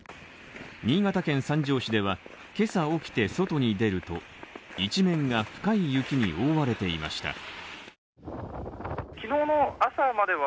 新潟県三条市では今朝、起きて、外に出ると一面が深い雪に覆われていました。